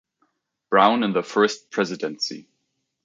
Brown in the First Presidency.